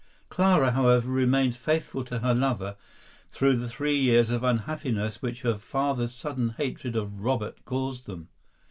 Clara, however, remained faithful to her lover through the three years of unhappiness which her father's sudden hatred of Robert caused them.